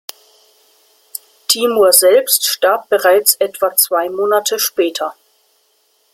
Timur selbst starb bereits etwa zwei Monate später.